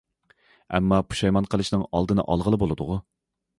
ئەمما پۇشايمان قىلىشنىڭ ئالدىنى ئالغىلى بولىدىغۇ؟!